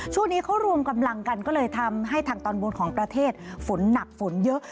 ช่วงนี้เขารวมกำลังกันก็เลยทำให้ทางตอนบนของประเทศฝนหนักฝนเยอะ